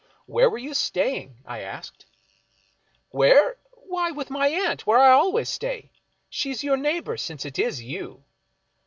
" Where were you staying? " I asked. " Where ? Why, v/ith my aunt, where I always stay. She is your neighbor, since it is you."